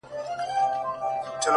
وېرېږم مينه مو له زړونو څخه وانه لوزي!